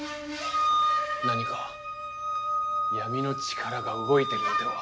何か闇の力が動いてるのでは？